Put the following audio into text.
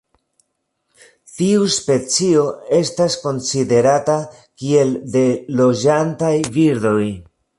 Tiu specio estas konsiderata kiel de loĝantaj birdoj.